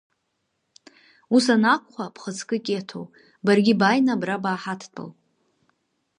Ус анакәха, бхаҵкы Қьеҭо, баргьы бааины абра бааҳадтәал!